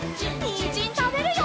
にんじんたべるよ！